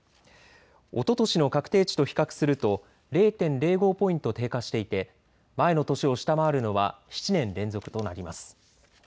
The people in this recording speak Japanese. おととしの確定値と比較すると０．０５ポイント低下していて前の年を下回るのは７年連続となります。